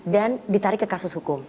dan ditarik ke kasus hukum